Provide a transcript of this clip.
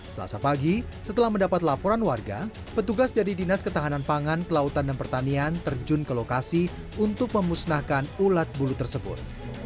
selasa pagi setelah mendapat laporan warga petugas dari dinas ketahanan pangan kelautan dan pertanian terjun ke lokasi untuk memusnahkan ulat bulu tersebut